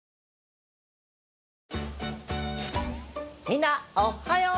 みんなおっはよう！